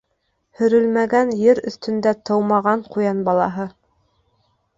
Һөрөлмәгән ер өҫтөндә тыумаған ҡуян балаһы